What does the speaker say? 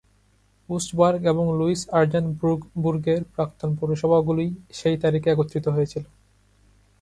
Oostburg এবং লুইস-আর্ডেনবুর্গের প্রাক্তন পৌরসভাগুলি সেই তারিখে একত্রিত হয়েছিল।